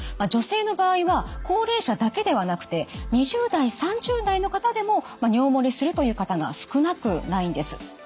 女性の場合は高齢者だけではなくて２０代３０代の方でも尿漏れするという方が少なくないんです。